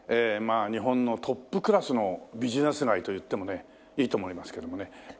まあ日本のトップクラスのビジネス街と言ってもねいいと思いますけどもね。